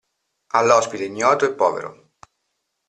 All'ospite ignoto e povero.